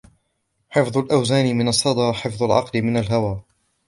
وَحِفْظِ الْأَوْزَانِ مِنْ الصَّدَى حِفْظَ الْعَقْلِ مِنْ الْهَوَى